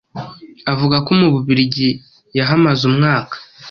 avuga ko mu Bubiligi yahamaze umwaka